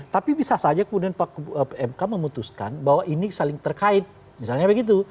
tapi bisa saja kemudian pmk memutuskan bahwa ini saling terkait misalnya begitu